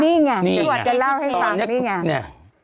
นี่ไงตรวจกันเล่าให้ฟังนี่ไง